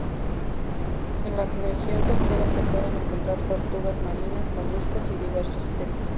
En la región costera se pueden encontrar tortugas marinas, moluscos y diversos peces.